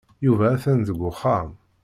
Yuba atan deg uxxam.